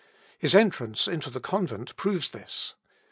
His entrance into the convent proves this.